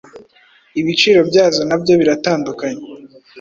ibiciro byazo nabyo biratandukanye